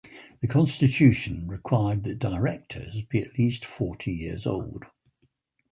The Constitution required that Directors be at least forty years old.